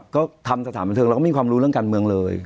ก็ทำสถานบันเทิงเราก็ไม่มีความรู้เรื่องการเมืองเลย